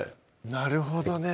なるほどね